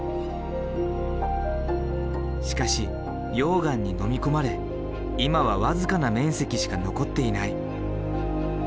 しかし溶岩にのみ込まれ今は僅かな面積しか残っていない。